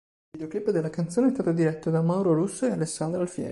Il videoclip della canzone è stato diretto da Mauro Russo e Alessandra Alfieri.